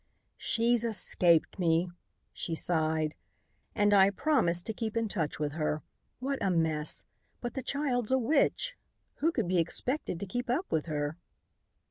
"She's escaped me!" she sighed. "And I promised to keep in touch with her. What a mess! But the child's a witch. Who could be expected to keep up with her?"